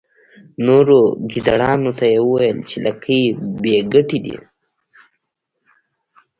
نورو ګیدړانو ته یې وویل چې لکۍ بې ګټې دي.